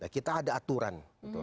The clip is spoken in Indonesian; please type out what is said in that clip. kita ada aturan